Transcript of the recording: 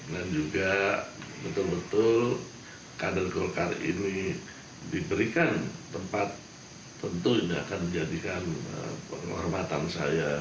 dan juga betul betul kader golkar ini diberikan tempat tentu ini akan menjadikan penghormatan saya